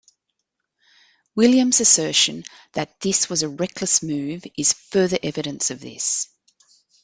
William's assertion that this was a reckless move is further evidence of this.